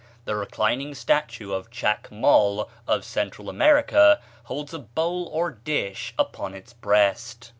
The reclining statue of Chac Mol, of Central America, holds a bowl or dish upon its breast.